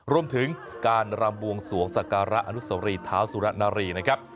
รวมถึงการรำบวงสวงสักการะอนุสวรีเท้าสุรนารีนะครับ